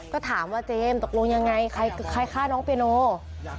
ก็ถามว่าเจมส์ตกลงยังไงใครฆ่าน้องเปียโน